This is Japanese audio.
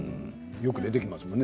よく出てきますものね。